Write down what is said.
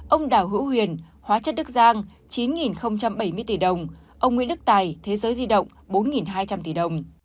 ông đào hữu huyền hóa chất đức giang chín bảy mươi tỷ đồng ông nguyễn đức tài thế giới di động bốn hai trăm linh tỷ đồng